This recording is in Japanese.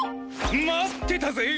待ってたぜ。